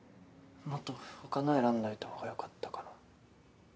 もっと他の選んどいたほうがよかったかな。